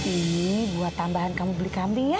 ini buat tambahan kamu beli kambing ya